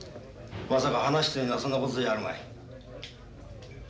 まさか話というのはそんなことじゃあるまい。